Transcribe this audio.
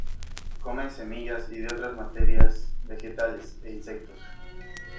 Come semillas y de otras materias vegetales, e insectos.